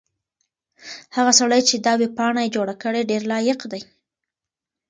هغه سړی چې دا ویبپاڼه یې جوړه کړې ډېر لایق دی.